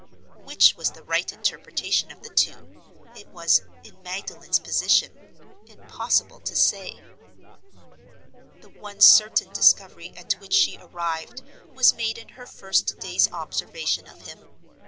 Which was the right interpretation of the two, it was, in Magdalen's position, impossible to say. The one certain discovery at which she arrived was made in her first day's observation of him.